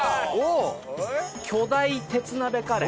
巨大鉄鍋カレー。